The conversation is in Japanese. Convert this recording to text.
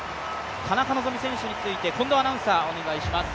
田中希実選手について近藤アナウンサーお願いします。